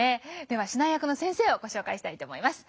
では指南役の先生をご紹介したいと思います。